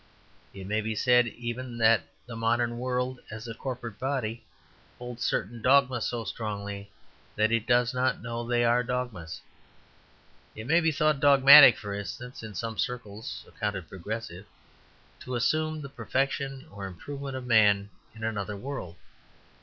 It may be said even that the modern world, as a corporate body, holds certain dogmas so strongly that it does not know that they are dogmas. It may be thought "dogmatic," for instance, in some circles accounted progressive, to assume the perfection or improvement of man in another world.